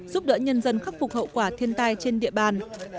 giúp đỡ nhân dân khắc phục hậu quả thiên tai trên địa bàn